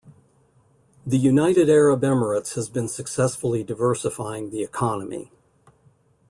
The United Arab Emirates has been successfully diversifying the economy.